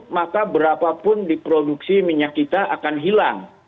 maka berapapun diproduksi minyak kita akan hilang